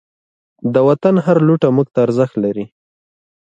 د وطن هر لوټه موږ ته ارزښت لري.